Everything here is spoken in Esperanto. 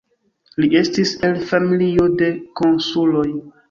Li estis el familio de konsuloj.